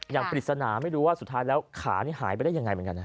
ปริศนาไม่รู้ว่าสุดท้ายแล้วขานี่หายไปได้ยังไงเหมือนกันนะ